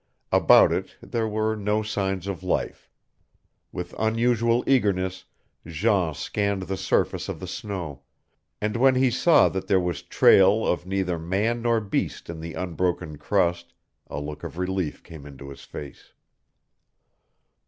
About it there were no signs of life. With unusual eagerness Jean scanned the surface of the snow, and when he saw that there was trail of neither man nor beast in the unbroken crust a look of relief came into his face.